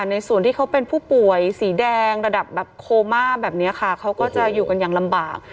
ในส่วนที่เขาเป็นผู้ป่วยสีแดงระดับแบบโคม่าแบบนี้ค่ะเขาก็จะอยู่กันอย่างลำบาก